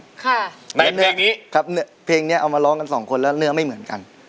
ในเพลงนี้ครับเพลงนี้เอามาร้องกันสองคนแล้วเนื้อไม่เหมือนกัน